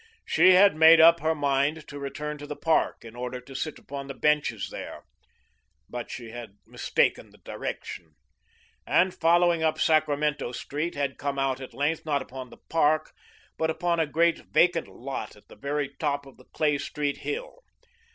She had made up her mind to return to the park in order to sit upon the benches there, but she had mistaken the direction, and following up Sacramento Street, had come out at length, not upon the park, but upon a great vacant lot at the very top of the Clay Street hill.